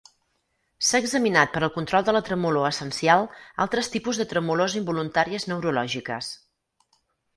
S'ha examinat per al control de la Tremolor essencial altres tipus de tremolors involuntàries neurològiques.